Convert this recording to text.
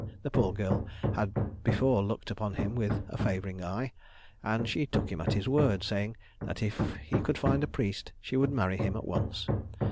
The poor girl had before looked upon him with a favouring eye, and she took him at his word, saying, that if he could find a priest, she would marry him at once.